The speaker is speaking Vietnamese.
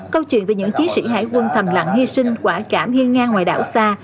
câu chuyện về những chiến sĩ hải quân thầm lặng hy sinh quả cảm hiên ngang ngoài đảo xa